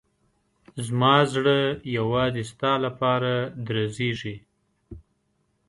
زما زړه یوازې ستا لپاره درزېږي.